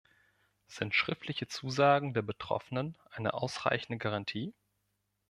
Sind schriftliche Zusagen der Betroffenen eine ausreichende Garantie?